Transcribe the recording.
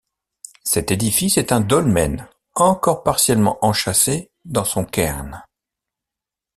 Cet édifice est un dolmen, encore partiellement enchâssé dans son cairn.